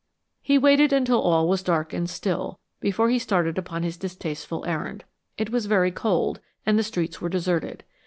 He waited until all was dark and still before he started upon his distasteful errand. It was very cold, and the streets were deserted.